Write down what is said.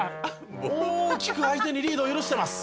大きく相手にリードを許してます。